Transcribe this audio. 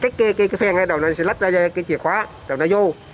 kích cái phèn ngay đầu nó sẽ lắt ra cái chìa khóa đầu nó vô